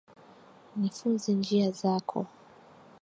Nifunze njia zako.